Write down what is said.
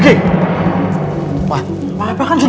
kenapa sih lu